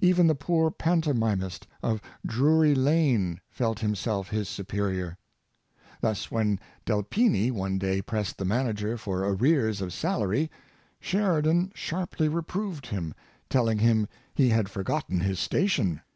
Even the poor pantomimist of Drury Lane felt himself his supe rior. Thus, when Delpini one day pressed the manager for arrears of salary, Sheridan sharply reproved him, telling him he had forgotten his station.